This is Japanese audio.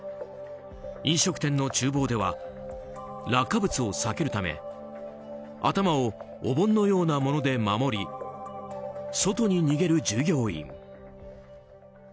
飲食店の厨房では落下物を避けるため頭をお盆のようなもので守り外に逃げる従業員。